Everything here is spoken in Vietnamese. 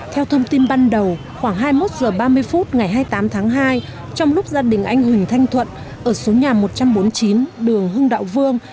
theo thông tin ban đầu khoảng hai mươi một h ba mươi phút ngày hai mươi tám tháng hai trong lúc gia đình anh huỳnh thanh thuận ở số nhà một trăm bốn mươi chín đường hưng đạo vương